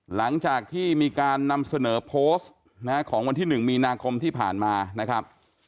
หลังจากที่มีการนำเสนอโพสต์ของวันที่๑มีนาคมที่ผ่านมานะครับ